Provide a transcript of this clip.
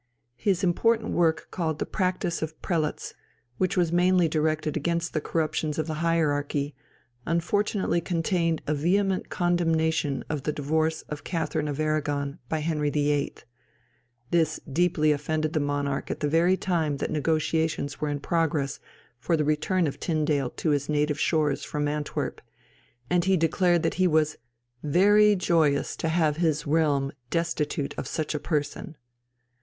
His important work called The Practice of Prelates, which was mainly directed against the corruptions of the hierarchy, unfortunately contained a vehement condemnation of the divorce of Catherine of Arragon by Henry VIII. This deeply offended the monarch at the very time that negotiations were in progress for the return of Tyndale to his native shores from Antwerp, and he declared that he was "very joyous to have his realm destitute of such a person."